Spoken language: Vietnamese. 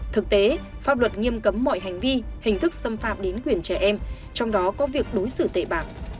thực tế pháp luật nghiêm cấm mọi hành vi hình thức xâm phạm đến quyền trẻ em trong đó có việc đối xử tẩy bạc